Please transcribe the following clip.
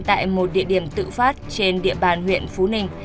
tại một địa điểm tự phát trên địa bàn huyện phú ninh